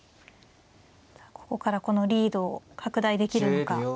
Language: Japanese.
さあここからこのリードを拡大できるのか。